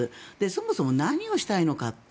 そもそも何をしたいのか。